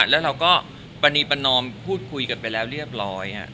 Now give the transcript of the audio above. แล้วเราก็ปรณีประนอมพูดคุยกันไปแล้วเรียบร้อย